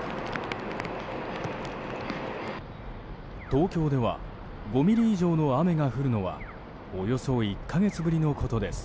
東京では５ミリ以上の雨が降るのはおよそ１か月ぶりのことです。